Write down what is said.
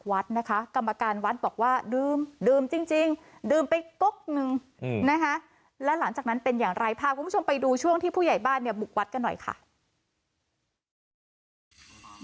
ว่ามีการลองเพียงไม่กินเหรอนี่แหวะนายเพิ่งหรือเปล่าใกล้จงหรอครับผมใช่ครับ